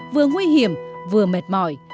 vừa nguy hiểm vừa mệt mỏi